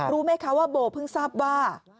รู้ไหมคะว่าโบเพิ่งทราบว่า